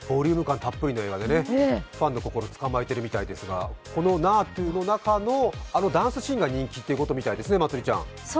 たっぷりの映画でファンの心つかまえているみたいですがあの「ＮａａｔｕＮａａｔｕ」の中のあのダンスシーンが人気ってことみたいですね、まつりちゃん。